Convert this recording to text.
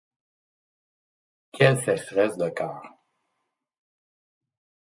Quelle sécheresse de cœur !